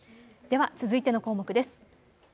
では続いての項目です。